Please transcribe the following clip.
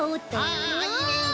ああいいねいいね。